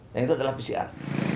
dan itu adalah pcr